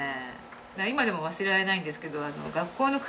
今でも忘れられないんですけど。